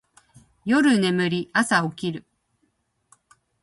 夜眠り、朝起きる